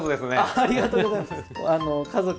ありがとうございます。